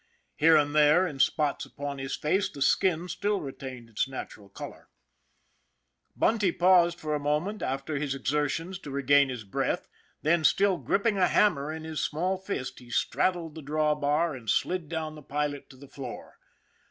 Here and there in spots upon his face the skin still retained its natural color. THE LITTLE SUPER 25 Bunty paused for a moment after his exertions to regain his breath, then, still gripping a hammer in his small fist, he straddled the draw bar, and slid down the pilot to the floor.